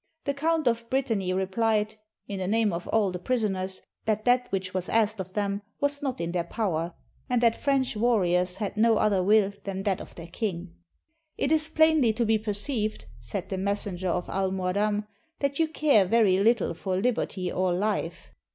The Count of Brittany replied, in the name of all the prisoners, that 628 ST. LOUIS AS A PRISONER that which was asked of them was not in their power, and that French warriors had no other will than that of their king. ''It is plainly to be perceived," said the messenger of Almoadam, "that you care very little for liberty or life.